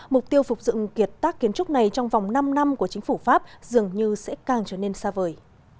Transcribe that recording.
mục tiêu phục dựng kiệt tác kiến trúc này trong vòng năm năm của chính phủ pháp dường như sẽ càng trở nên xa vời